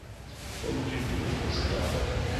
What would you do if it was a daughter?